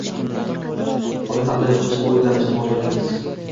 uni tahlil qilishni, oʻrganishni boshladingiz.